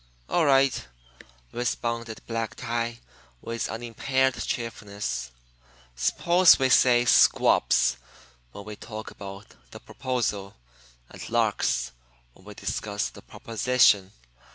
"All right," responded Black Tie, with unimpaired cheerfulness; "suppose we say 'squabs' when we talk about the 'proposal' and 'larks' when we discuss the 'proposition.'